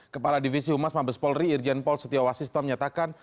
kepala divisi humas mabes polri irjen paul setiawasisto menyatakan